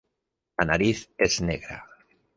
La nariz es negra.